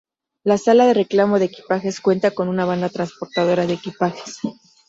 La sala de reclamo de equipajes cuenta con una banda transportadora de equipajes.